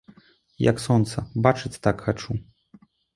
Як сонца, бачыць так хачу.